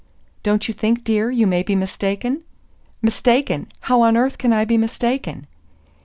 "Don't you think, dear, you may be mistaken?" "Mistaken? How on earth can I be mistaken?"